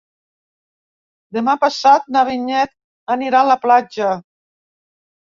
Demà passat na Vinyet anirà a la platja.